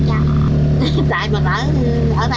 sáu bảy trăm bảy tám trăm